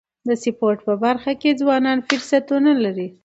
د سپورټ په برخه کي ځوانان فرصتونه لري.